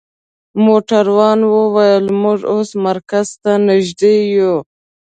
موټروان وویل: موږ اوس مرکز ته نژدې یو.